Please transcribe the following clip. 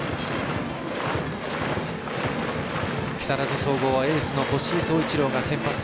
木更津総合はエースの越井颯一郎が先発。